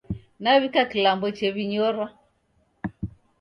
Nawika kilambo chew'inyora